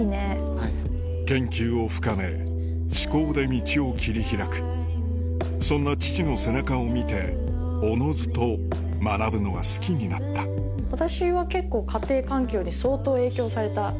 研究を深め思考で道を切り開くそんな父の背中を見ておのずと学ぶのが好きになったフフフ。